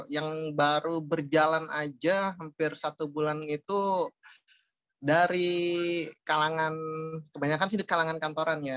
yang baru berjalan aja hampir satu bulan itu dari kalangan kebanyakan sih di kalangan kantoran ya